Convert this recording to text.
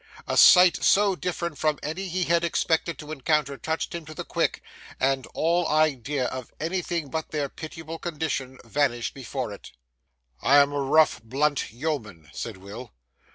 A sight so different from any he had expected to encounter touched him to the quick, and all idea of anything but their pitiable condition vanished before it. 'I am a rough, blunt yeoman,' said Will.